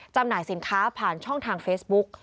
จำหน่ายสินค้าผ่านช่องทางเฟซบุ๊ก